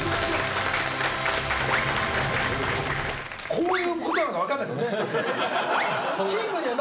こういうことなのか分かんないですよね。